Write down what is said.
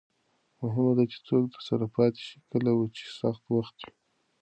مهمه ده چې څوک درسره پاتې شي کله چې سخت وخت وي.